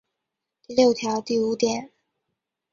第六条第五点